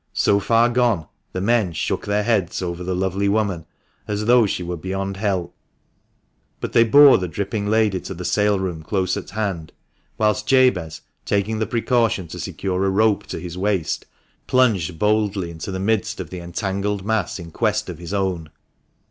So far gone, the men shook their heads over the lovely woman, as though she were beyond help. But they bore the dripping lady to the sail room close at hand, whilst THE MANCHESTER MAN. 443 Jabez, taking the precaution to secure a rope to his waist, plunged boldly into the midst of the entangled mass in quest of his own.